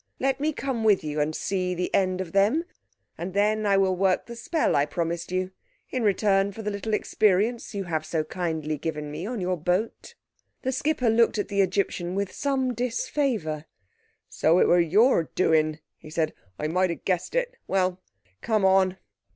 Let me come with you and see the end of them, and then I will work the spell I promised you in return for the little experience you have so kindly given me on your boat." The skipper looked at the Egyptian with some disfavour. "So it was your doing," he said. "I might have guessed it. Well, come on."